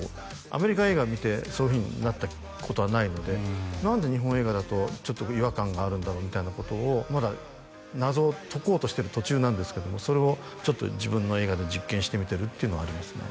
アメリカ映画を見てそういうふうになったことはないので何で日本映画だと違和感があるんだろうみたいなことをまだ謎を解こうとしてる途中なんですけどもそれをちょっと自分の映画で実験してみてるっていうのはありますね